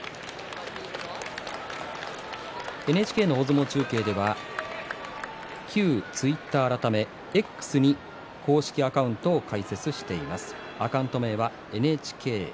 ＮＨＫの大相撲中継では旧ツイッター改め、Ｘに公式アカウントを開設しています。